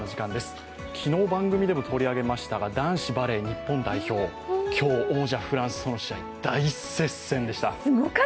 昨日番組でも取り上げましたが男子バレー日本代表、今日、王者フランスとの試合大接戦でした。